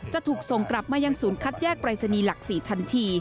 จะถูกส่งกลับมายังศูนย์คัดแยกปรายศนีย์หลัก๔ทันที